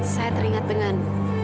saya teringat dengan